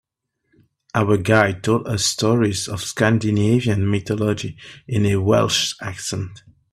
Our guide told us stories of Scandinavian mythology in a Welsh accent.